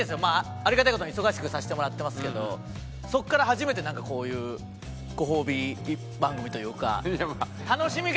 ありがたい事に忙しくさせてもらってますけどそこから初めてなんかこういうご褒美番組というか。